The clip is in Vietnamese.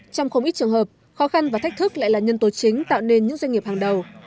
trong không ít trường hợp khó khăn và thách thức lại là nhân tố chính tạo nên những doanh nghiệp hàng đầu